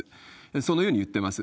そのように言っています。